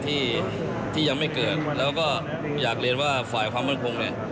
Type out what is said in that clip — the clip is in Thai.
ที่ที่ยังไม่เกิดแล้วก็อยากเรียนว่าฝ่ายความมั่นคงเนี่ย